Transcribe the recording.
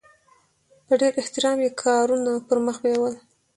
په ډېر احترام یې کارونه پرمخ بیول.